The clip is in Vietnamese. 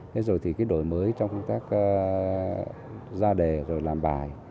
thế rồi thì cái đổi mới trong công tác ra đề rồi làm bài